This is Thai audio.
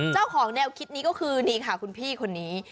เจ้าของแนวคิดนี้ก็คือนี่ค่ะคุณพี่คนนี้